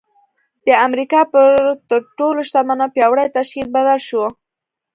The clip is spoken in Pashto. د امريکا پر تر ټولو شتمن او پياوړي تشکيل بدل شو.